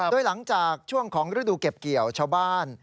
โดยหลังจากช่วงของฤดูเก็บเกี่ยวชาวบ้าน